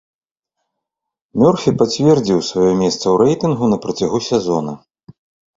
Мёрфі пацвердзіў сваё месца ў рэйтынгу на працягу сезона.